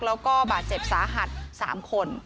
แล้วก็บาดเจ็บสาหัส๓คน